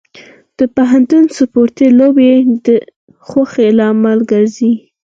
د پوهنتون سپورتي لوبې د خوښۍ لامل ګرځي.